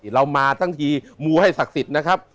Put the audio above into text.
เรามาทั้งทีมูให้ศักดิ์สิทธิ์นะครับ